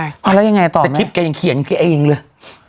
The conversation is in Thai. อ้าวแล้วยังไงต่อไหมเสร็จคลิปแกยังเขียนแค่เองละ